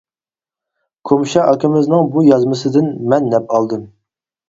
كومشا ئاكىمىزنىڭ بۇ يازمىسىدىن مەن نەپ ئالدىم.